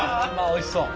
おいしそう。